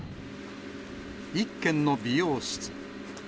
１軒の美容室。